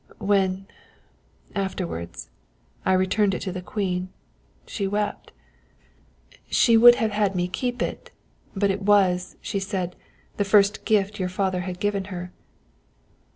When, afterwards, I returned it to the Queen, she wept; she would have had me keep it, but it was, she said, the first gift your father had given her.